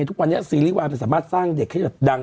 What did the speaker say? ทุกวันนี้ซีรีสวายมันสามารถสร้างเด็กให้แบบดัง